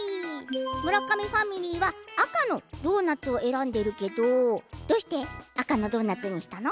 村上ファミリーはあかの「ドーナツ」をえらんでるけどどうして？あかの「ドーナツ」にしたの？